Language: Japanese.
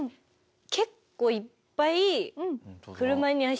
結構いっぱい。